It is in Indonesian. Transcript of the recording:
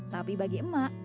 tapi bagi emak